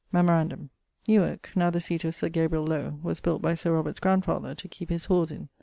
Memorandum: Newark (now the seate of Sir Gabriel Lowe) was built by Sir Robert's grandfather to keep his whores in.